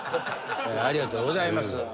ありがとうございます。